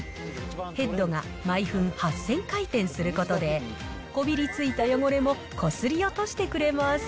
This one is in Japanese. ヘッドが毎分８０００回転することで、こびりついた汚れもこすり落としてくれます。